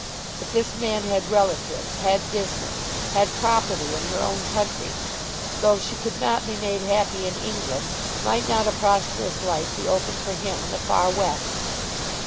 But this man had relatives, had business, had property in her own country. Though she could not be made happy in England, might not a prosperous life be opened for him in the far West?